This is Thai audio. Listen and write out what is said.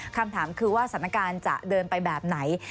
คำถามคือว่าสถานการณ์จะเดินไปแบบไหน